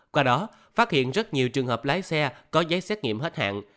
qua đó phát hiện rất nhiều trường hợp lái xe có giấy xét nghiệm hết hạn